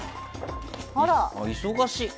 あ、忙しい。